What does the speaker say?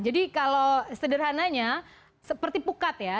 jadi kalau sederhananya seperti pukat ya